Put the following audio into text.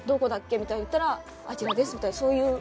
みたいに言ったら「あちらです」みたいなそういう。